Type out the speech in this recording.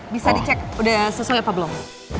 bisa dicek sudah sesuai apa belum